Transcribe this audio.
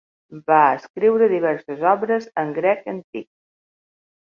Va escriure diverses obres en grec antic.